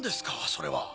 それは。